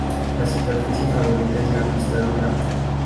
Su superficie favorita es la pista dura.